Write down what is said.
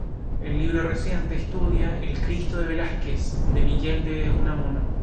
Un libro reciente estudia "El Cristo de Velázquez" de Miguel de Unamuno.